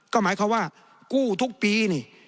ก็หมายความว่ากู้ทุกปีนี่